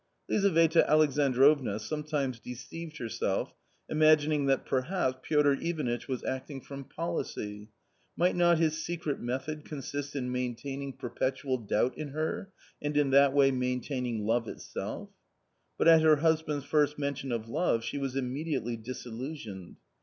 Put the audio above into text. Lizaveta Alexandrovna sometimes deceived herself, imagining that perhaps Piotr Ivanitch was acting from policy ; might not his secret method consist in maintaining perpetual doubt in her, and in that way maintaining love itself? But at her husband's first mention of love she was immediately disillusioned.